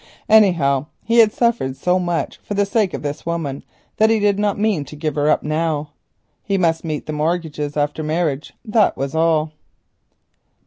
Anyhow, he had suffered so much for the sake of this woman that he did not mean to give her up now. He must meet the mortgages after marriage, that was all.